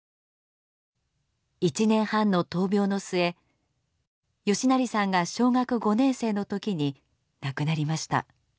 １年半の闘病の末嘉成さんが小学５年生の時に亡くなりました。